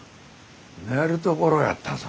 寝るところやったぞ。